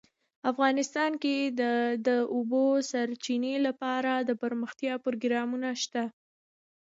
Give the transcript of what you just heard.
افغانستان کې د د اوبو سرچینې لپاره دپرمختیا پروګرامونه شته.